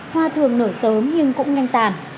hoa thường nở sớm nhưng cũng nhanh tàn